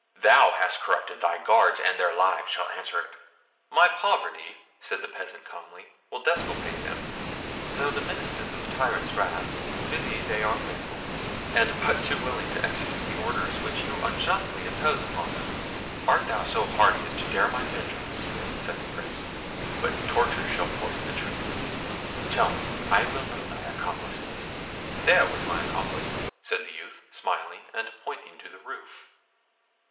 Thou hast corrupted thy guards, and their lives shall answer it." "My poverty," said the peasant calmly, "will disculpate them: though the ministers of a tyrant's wrath, to thee they are faithful, and but too willing to execute the orders which you unjustly imposed upon them." "Art thou so hardy as to dare my vengeance?" said the Prince; "but tortures shall force the truth from thee. Tell me; I will know thy accomplices." "There was my accomplice!" said the youth, smiling, and pointing to the roof.